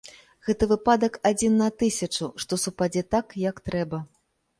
Гэта выпадак адзін на тысячу, што супадзе так, як трэба.